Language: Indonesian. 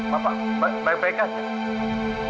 bapak baik baik aja